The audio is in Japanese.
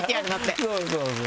そうそうそう。